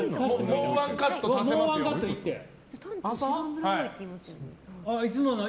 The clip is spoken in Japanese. もう１カット足せますよ。